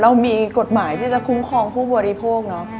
เรามีกฎหมายที่จะคุ้มครองผู้บริโภคเนอะ